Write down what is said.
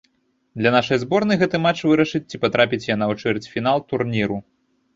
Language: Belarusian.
Для нашай зборнай гэты матч вырашыць, ці патрапіць яна ў чвэрцьфінал турніру.